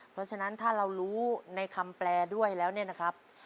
เพราะฉะนั้นถ้าเรารู้ในคำแปลด้วยแล้วเนี่ยนะครับ